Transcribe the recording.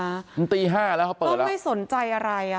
มันตีห้าแล้วเขาเปิดแล้วก็ไม่สนใจอะไรอ่ะค่ะ